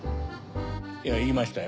いや言いましたよ。